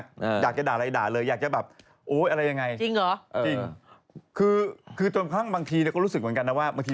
ก็อย่าไปใส่ใจแต่ตอนนั้นเราไหวปะละ